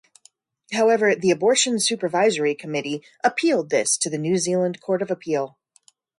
However, the Abortion Supervisory Committee appealed this to the New Zealand Court of Appeal.